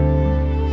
aku mau ke sana